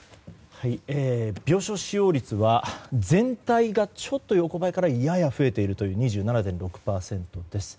病床使用率は全体がちょっと横ばいからやや増えているという２７．６％です。